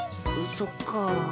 そっか。